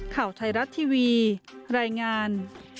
ข่าวไทยรัฐทีวีรายงาน